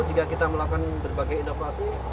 jika kita melakukan berbagai inovasi